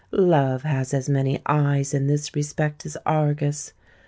Love has as many eyes in this respect as Argus.